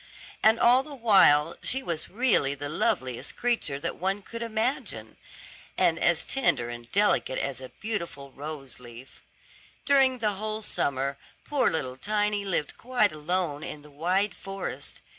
And all the while she was really the loveliest creature that one could imagine, and as tender and delicate as a beautiful rose leaf. During the whole summer poor little Tiny lived quite alone in the wide forest.